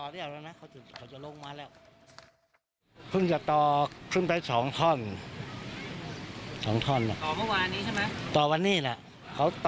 และจะห้ามจอดทั้งนั้นน้า